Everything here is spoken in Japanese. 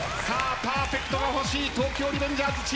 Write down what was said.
パーフェクトが欲しい東京リベンジャーズチーム。